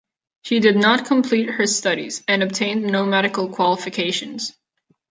She did not complete her studies, and obtained no medical qualifications.